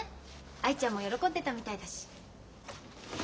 藍ちゃんも喜んでたみたいだし。